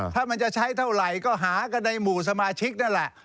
ถ้ามันจะใช้เท่าไหร่ก็หากันในหมู่สมาชิกนั่นแหละ